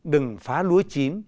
đừng phá lúa chín